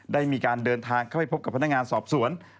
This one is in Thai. ได้มีการเดินทางเข้าไปพบกับพนักงานสอบสวน